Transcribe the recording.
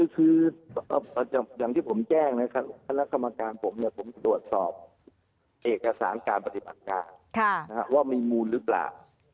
คืออย่างที่ผมแจ้งคณะคมการผมตรวจสอบเอกสารการปฏิบัติกาว่ามีมูลหรือเปล่า